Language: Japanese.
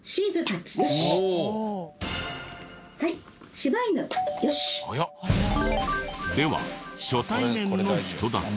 柴犬。では初対面の人だと。